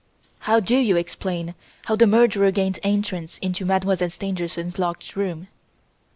How do you explain how the murderer gained entrance into Mademoiselle Stangerson's locked room?"